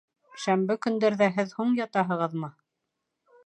Шәмбе көндәрҙә һеҙ һуң ятаһығыҙмы?